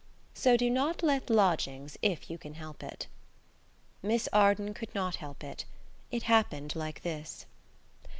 So do not let lodgings if you can help it. Miss Arden could not help it. It happened like this.